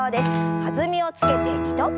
弾みをつけて２度。